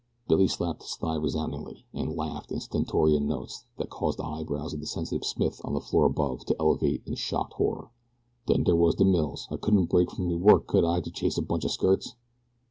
Billy slapped his thigh resoundingly and laughed in stentorian tones that caused the eyebrows of the sensitive Smith on the floor above to elevate in shocked horror. "Den dere was de mills. I couldn't break away from me work, could I, to chase a bunch of skirts?"